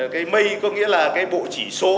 cái mei có nghĩa là cái bộ chỉ số